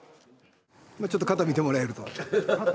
ちょっと肩見てもらえると。